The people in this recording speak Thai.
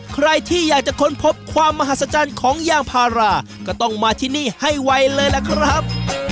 ใครที่อยากจะค้นพบความมหัศจรรย์ของยางพาราก็ต้องมาที่นี่ให้ไวเลยล่ะครับ